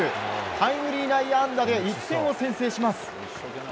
タイムリー内野安打で１点を先制します。